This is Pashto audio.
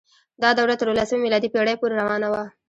دا دوره تر اوولسمې میلادي پیړۍ پورې روانه وه.